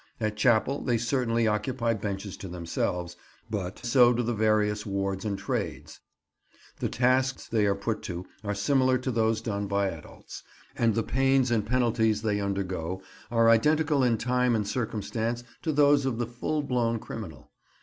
At chapel they certainly occupy benches to themselves, but so do the various wards and trades; the tasks they are put to are similar to those done by adults; and the pains and penalties they undergo are identical in time and circumstance to those of the full blown criminal.